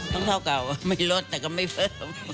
ต้องเท่าเก่าไม่ลดแต่ก็ไม่เพิ่ม